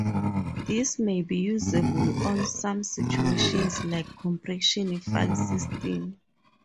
This may be usable on some situations like compression file system.